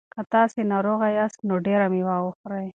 که تاسي ناروغه یاست نو ډېره مېوه خورئ.